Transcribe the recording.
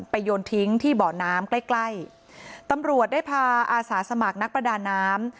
โยนทิ้งที่เบาะน้ำใกล้ใกล้ตำรวจได้พาอาสาสมัครนักประดาน้ำ